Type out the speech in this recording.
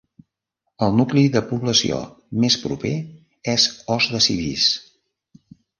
El nucli de població més proper és Os de Civís.